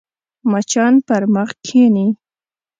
مچان پر مخ کښېني